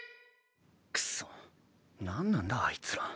くそっ何なんだあいつら。